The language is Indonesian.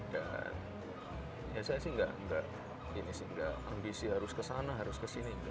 dan ya saya sih tidak ambisi harus kesana harus kesini